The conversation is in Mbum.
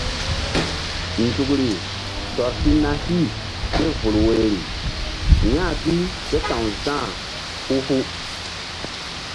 Nzukri tɔr si na hih ké vul woiri ya̧h bi ké ta̧w Za̧h hu hu.